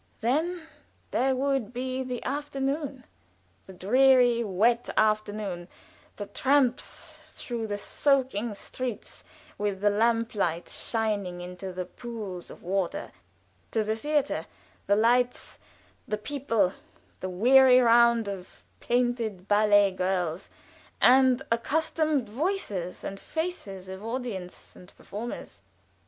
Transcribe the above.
Then there would be the afternoon the dreary, wet afternoon, the tramp through the soaking streets, with the lamp light shining into the pools of water, to the theater; the lights, the people, the weary round of painted ballet girls, and accustomed voices and faces of audience and performers.